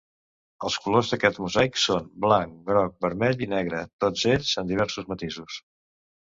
Els colors d'aquest mosaic són: blanc, groc, vermell i negre, tots ells en diversos matisos.